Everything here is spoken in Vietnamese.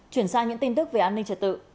chuyển sang những tin tức về an ninh trật tự